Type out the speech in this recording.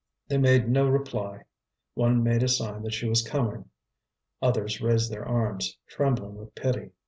They made no reply. One made a sign that she was coming. Others raised their arms, trembling with pity.